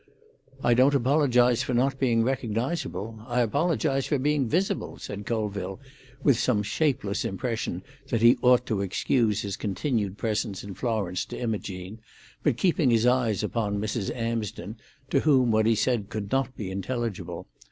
"I don't apologise for not being recognisable; I apologise for being visible," said Colville, with some shapeless impression that he ought to excuse his continued presence in Florence to Imogene, but keeping his eyes upon Mrs. Amsden, to whom what he said could not be intelligible.